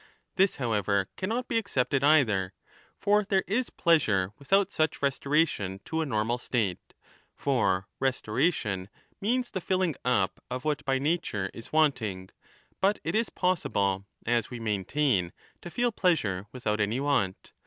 (This, however, cannot be accepted either.) For there is pleasure without such restoration to a normal state. For restoration means the filling up of what by nature is wanting, but it is possible, as we maintain,"^ to 1205* feel pleasure without any want.